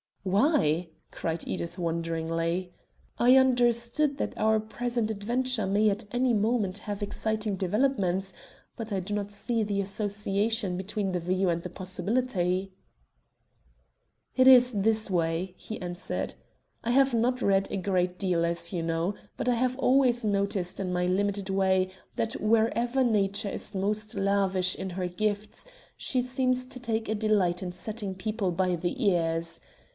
"Why?" cried Edith wonderingly. "I understood that our present adventure may at any moment have exciting developments, but I do not see the association between the view and the possibility." "It is this way," he answered. "I have not read a great deal, as you know, but I have always noticed in my limited way that wherever Nature is most lavish in her gifts, she seems to take a delight in setting people by the ears.